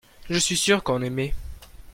je suis sûr qu'on aimaient.